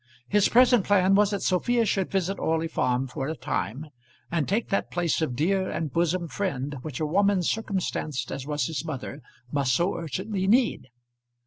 His present plan was that Sophia should visit Orley Farm for a time, and take that place of dear and bosom friend which a woman circumstanced as was his mother must so urgently need.